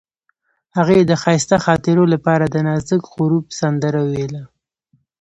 هغې د ښایسته خاطرو لپاره د نازک غروب سندره ویله.